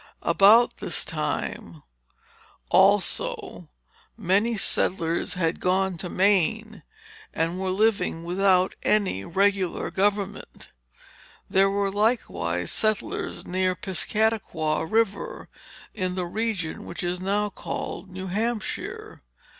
About this time, also, many settlers had gone to Maine, and were living without any regular government. There were likewise settlers near Piscataqua River, in the region which is now called New Hampshire.